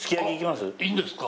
いいんですか？